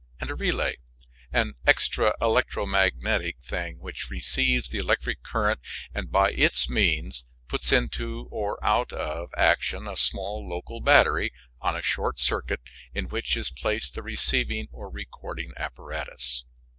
2 (page 99), and a relay an extra electromagnet which receives the electric current and by its means puts into or out of action a small local battery on a short circuit in which is placed the receiving or recording apparatus.